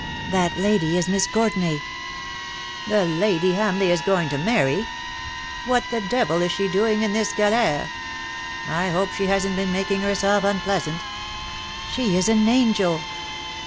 " That lady is Miss Courtenay." *^ The lady Hamleigh is going to marry ? What the devil is she doing in this galere ? I hope she hasn't been making herself unpleasant ?"" She is an angel."